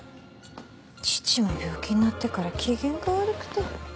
父も病気になってから機嫌が悪くて。